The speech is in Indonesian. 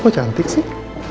kok cantik sih